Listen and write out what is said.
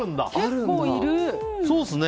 結構いる！